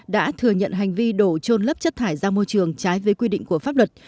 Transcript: đã thừa nhận hành vi đổ trôn lấp chất thải ra môi trường trái với quy định của pháp luật